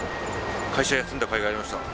会社を休んだかいがありました。